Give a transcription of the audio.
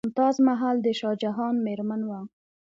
ممتاز محل د شاه جهان میرمن وه.